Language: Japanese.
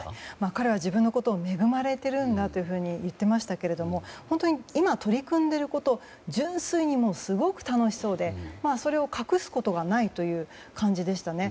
彼は自分のことを恵まれているんだと言っていましたが本当に今、取り組んでいること純粋にすごく楽しそうでそれを隠すことがないという感じでしたね。